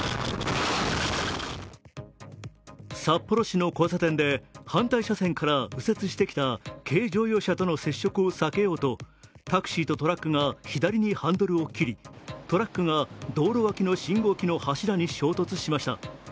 札幌市の交差点で反対車線から右折してきた軽乗用車との接触を避けようと、タクシーとトラックが左にハンドルを切りトラックが道路脇の信号機の柱に衝突しました。